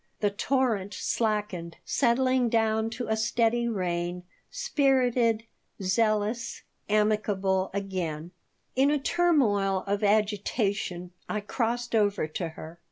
The torrent slackened, settling down to a steady rain, spirited, zealous, amicable again In a turmoil of agitation I crossed over to her.